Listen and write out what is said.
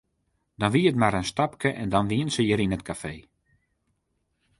Dan wie it mar in stapke en dan wienen se hjir yn it kafee.